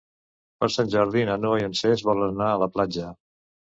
Per Sant Jordi na Noa i en Cesc volen anar a la platja.